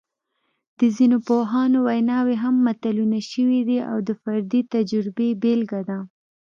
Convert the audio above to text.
د ځینو پوهانو ویناوې هم متلونه شوي دي او د فردي تجربې بېلګه ده